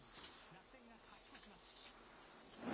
楽天が勝ち越します。